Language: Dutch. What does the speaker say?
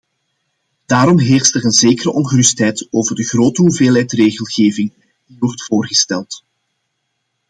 Daarom heerst er een zekere ongerustheid over de grote hoeveelheid regelgeving die wordt voorgesteld.